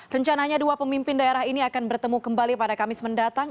rencananya dua pemimpin daerah ini akan bertemu kembali pada kamis mendatang